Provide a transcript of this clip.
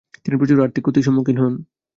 তিনি প্রচুর আর্থিক ক্ষতির সম্মুখীন হন।